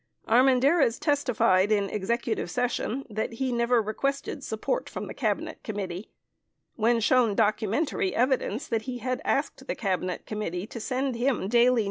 27 Armendariz testified in executive session that he never requested "support" from the Cabinet Committee. When shown documentary evidence 28 that he had asked the Cabinet Committee to send him daily 20 Exhibit No.